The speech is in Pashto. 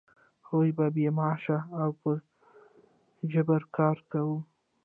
هغوی به بې معاشه او په جبر کار کاوه.